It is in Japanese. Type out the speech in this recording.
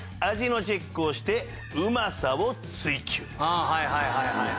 ああはいはいはいはい。